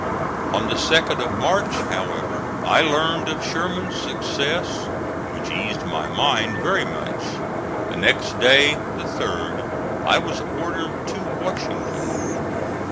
On the 2d of March, however, I learned of Sherman's success, which eased my mind very much. The next day, the 3d, I was ordered to Washington.